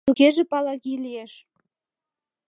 «Тугеже Палаги лиеш...